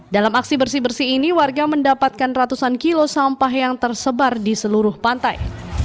dalam aksi bersih bersih ini warga mendapatkan ratusan kilo sampah yang tersebar di seluruh pantai